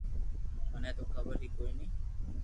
مني تو خبر ھو ڪوئي ني